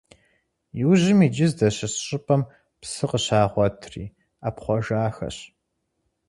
Иужьым, иджы здэщыс щӏыпӏэм псы къыщагъуэтри ӏэпхъуэжахэщ.